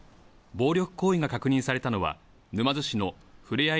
暴力行為が確認されたのは、沼津市のふれあい